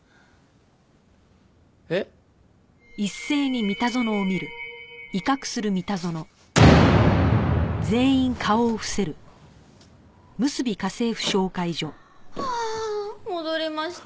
えっ？はあ戻りました。